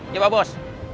iya pak bos